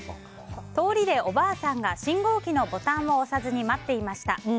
通りでおばあさんが信号機のボタンを押さずに待っていました。